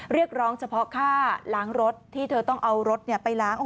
เรียกร้องเฉพาะค่าล้างรถที่เธอต้องเอารถไปล้าง